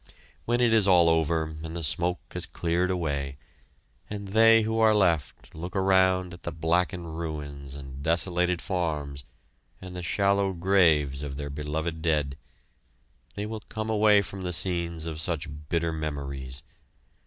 When it is all over and the smoke has cleared away, and they who are left look around at the blackened ruins and desolated farms and the shallow graves of their beloved dead, they will come away from the scenes of such bitter memories.